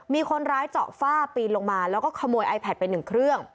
มีคนร้ายเจาะฝ้าปีนลงมาแล้วก็ขโมยไอแพทไปหนึ่งเครื่อง